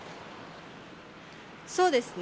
そうですね。